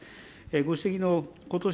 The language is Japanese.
ご指摘のことし